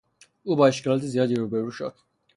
او با اشکالات زیادی روبرو شد.